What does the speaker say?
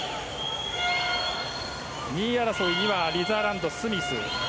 ２位争い、リザーランドスミス。